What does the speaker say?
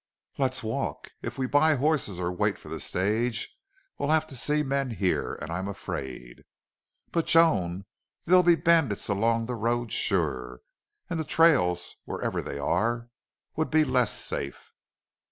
"Let's walk. If we buy horses or wait for the stage we'll have to see men here and I'm afraid " "But, Joan, there'll be bandits along the road sure. And the trails, wherever they are, would be less safe."